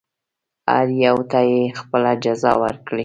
هر یوه ته یې خپله جزا ورکړي.